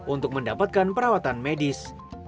untuk mendapatkan perawatan medis